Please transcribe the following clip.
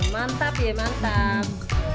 mantap ya mantap